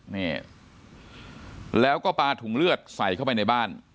นี่แล้วก็ปลาถุงเลือดใส่เข้าไปในบ้าน